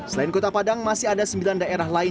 selain kota padang masih ada sembilan daerah lain